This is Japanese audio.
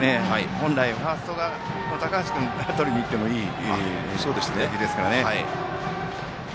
本来、ファーストの高橋君がとりにいってもいいところですね。